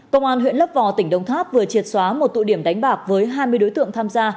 công an huyện lấp vò tỉnh đông tháp vừa triệt xóa một tụ điểm đánh bạc với hai mươi đối tượng tham gia